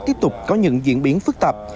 tiếp tục có những diễn biến phức tạp